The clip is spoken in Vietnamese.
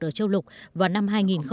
của châu lục vào năm hai nghìn hai mươi